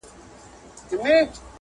چي په هرځای کي مي وغواړی او سېږم،